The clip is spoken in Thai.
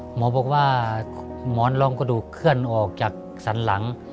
หมอบอกว่าหมอนรองกระดูกเคลื่อนออกจากสันหลัง